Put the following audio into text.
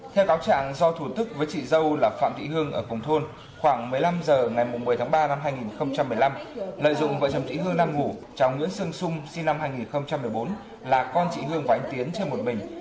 theo cáo trạng do thủ tức với chị dâu là phạm thị hương ở cùng thôn khoảng một mươi năm h ngày một mươi ba hai nghìn một mươi năm lợi dụng vợ chồng thị hương nam ngũ cháu nguyễn sơn sung sinh năm hai nghìn một mươi bốn là con thị hương và anh tiến chơi một mình